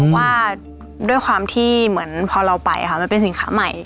ว่าด้วยความที่เหมือนพอเราไปค่ะมันเป็นสินค้าใหม่